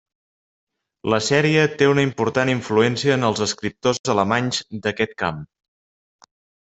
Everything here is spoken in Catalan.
La sèrie té una important influència en els escriptors alemanys d'aquest camp.